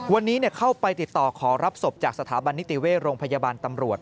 วันนี้เข้าไปติดต่อขอรับศพจากสถาบันนิติเวชโรงพยาบาลตำรวจ